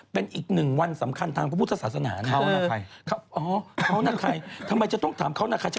พวกเราสามคนในวันพฤหัสวันพระใช่ไหมคะและแอนจี